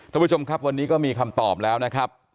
ท่านผู้ชมครับวันนี้ก็มีคำตอบแล้วนะครับ